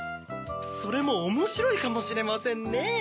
それもおもしろいかもしれませんね。